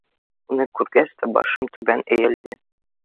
Уны күргәс тә, башым түбән эйелде.